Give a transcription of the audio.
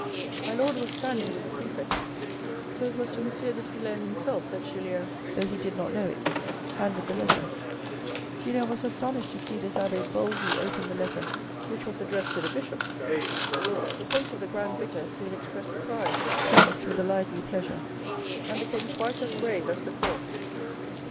My lord was dining with the prefect, so it was to M. de Frilair himself that Julien, though he did not know it, handed the letter. Julien was astonished to see this abbe boldly open the letter which was addressed to the Bishop. The face of the Grand Vicar soon expressed surprise, tinged with a lively pleasure, and became twice as grave as before.